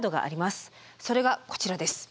それがこちらです。